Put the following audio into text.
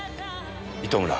糸村。